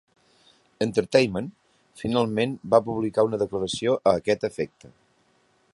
Entertainment finalment va publicar una declaració a aquest efecte.